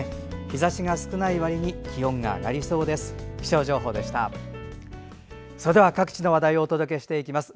日ざしが少ない割に気温が上がりそうです。